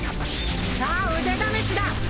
さあ腕試しだ。